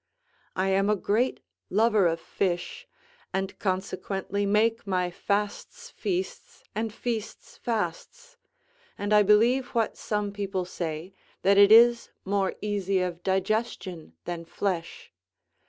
I am a great lover of fish, and consequently make my fasts feasts and feasts fasts; and I believe what some people say, that it is more easy of digestion than flesh.